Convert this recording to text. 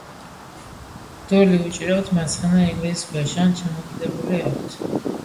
დოლი უჭირავთ მარცხენა იღლიის ქვეშ ან ჩამოკიდებული აქვთ.